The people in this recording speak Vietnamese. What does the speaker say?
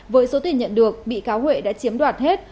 với số tiền nhận được bị cáo huệ đã chiếm đoạt hết